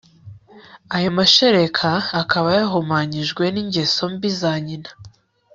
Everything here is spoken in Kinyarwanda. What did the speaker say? ayo mashereka akaba yahumanyijwe ningeso mbi za nyina